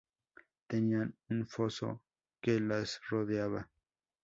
Tenían un foso que las rodeaba.